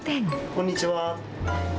こんにちは。